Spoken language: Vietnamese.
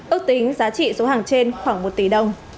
ước tính giá trị số hàng trên khoảng một tỷ đồng